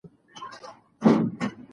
د لوبو له لارې ذهني وړتیاوې وده کوي.